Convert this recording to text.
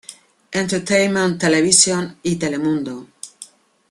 Entertainment Television y Telemundo.